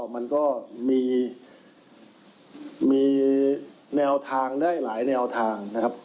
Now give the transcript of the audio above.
มันก็มีแนวทางได้หลายแนวทางนะครับ